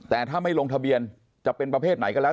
แต่ถ้าไม่ลงทะเบียนจะเป็นประเภทไหนก็แล้ว